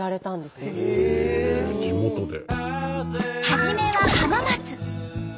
初めは浜松。